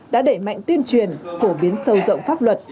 đã đẩy mạnh tuyên truyền phổ biến sâu rộng pháp luật